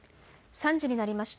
３時になりました。